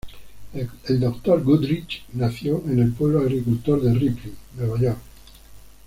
El Dr. Goodrich nació en el pueblo agricultor de Ripley, Nueva York.